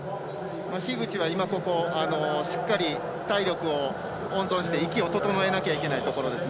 樋口はしっかり体力を温存して息を整えなきゃいけないところです。